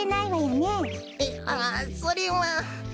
えっああそれは。